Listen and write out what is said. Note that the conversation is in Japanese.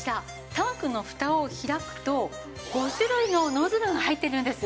タンクのフタを開くと５種類のノズルが入ってるんです。